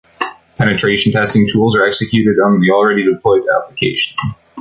Penetration testing tools are executed on the already deployed application.